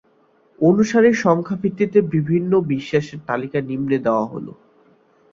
অনুসারীর সংখ্যার ভিত্তিতে বিভিন্ন বিশ্বাসের তালিকা নিম্নে দেয়া হল।